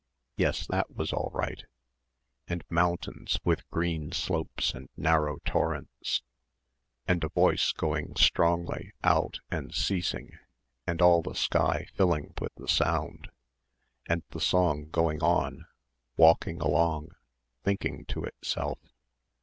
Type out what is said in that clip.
yes, that was all right and mountains with green slopes and narrow torrents and a voice going strongly out and ceasing, and all the sky filled with the sound and the song going on, walking along, thinking to itself....